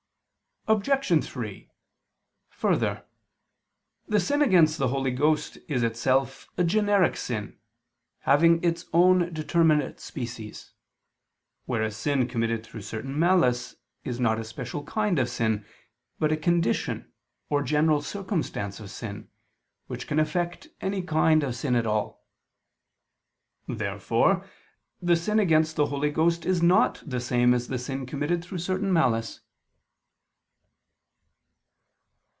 Obj. 3: Further, the sin against the Holy Ghost is itself a generic sin, having its own determinate species: whereas sin committed through certain malice is not a special kind of sin, but a condition or general circumstance of sin, which can affect any kind of sin at all. Therefore the sin against the Holy Ghost is not the same as the sin committed through certain malice.